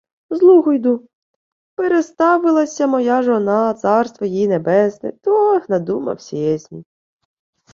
— З Лугу йду. Переставилася, моя жона, царство їй небесне, то надумався єсмь...